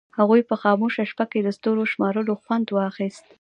هغوی په خاموشه شپه کې د ستورو شمارلو خوند واخیست.